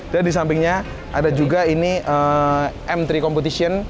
dan di sampingnya ada juga ini m tiga competition